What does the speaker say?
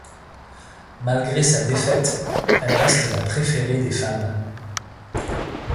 Malgré sa défaite, elle reste la préférée des fans.